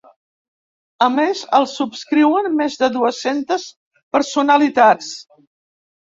A més, el subscriuen més de dues-centes personalitats.